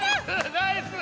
ナイス！